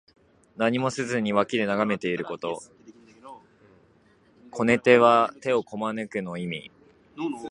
何もせずに脇で眺めていること。「拱手」は手をこまぬくの意味。